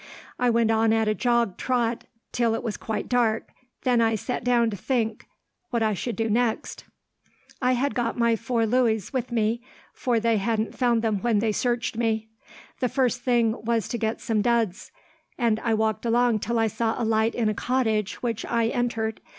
I went on at a jog trot till it was quite dark; then I sat down to think what I should do next. "I had got my four louis with me, for they hadn't found them when they searched me. The first thing was to get some duds, and I walked along till I saw a light in a cottage, which I entered.